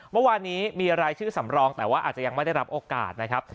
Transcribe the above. เมื่อวานนี้มีรายชื่อสำรองแต่ว่าอาจจะยังไม่ได้รับโอกาสนะครับ